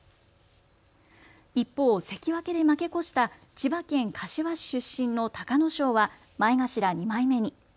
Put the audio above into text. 一方、関脇で負け越した千葉県柏市出身の隆の勝は前頭２枚目に。